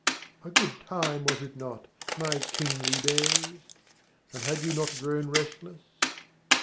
A good time, was it not, my kingly days? And had you not grown restless...